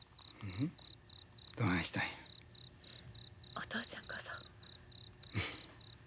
お父ちゃんこそ。